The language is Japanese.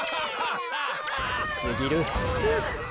すぎる。